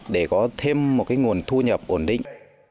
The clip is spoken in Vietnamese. để có thêm một cái nguồn thu nhập ổn định